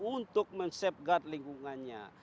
untuk men safeguard lingkungannya